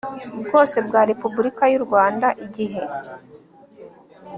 bwose bwa repubulika y u rwanda igihe